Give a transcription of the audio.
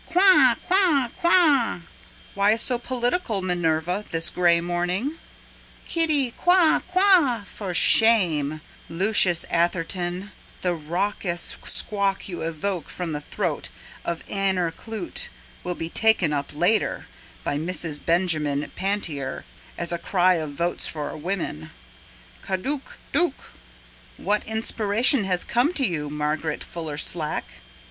Quah! quah! quah! why so poetical, Minerva, This gray morning? Kittie—quah—quah! for shame, Lucius Atherton, The raucous squawk you evoked from the throat Of Aner Clute will be taken up later By Mrs. Benjamin Pantier as a cry Of votes for women: Ka dook—dook! What inspiration has come to you, Margaret Fuller Slack?